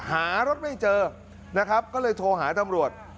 หารถไม่เจอนะครับก็เลยโทรหาตำรวจ